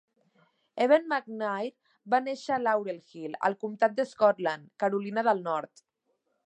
Evander McNair va néixer a Laurel Hill al comtat de Scotland, Carolina del Nord.